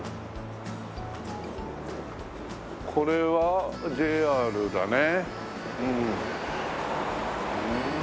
これはＪＲだね。